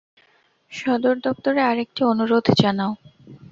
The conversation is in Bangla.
সদর দপ্তরে আরেকটি অনুরোধ জানাও।